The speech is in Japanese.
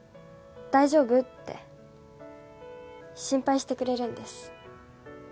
大丈夫？って心配してくれるんです